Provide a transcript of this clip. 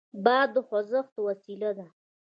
باد د خوځښت وسیله ده.